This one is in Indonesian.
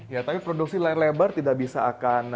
ya tapi produksi layar lebar tidak bisa akan